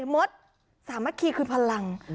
มดสามารถคีกคือพลัง